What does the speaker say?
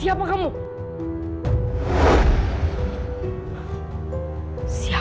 ih gak bisa tenang aja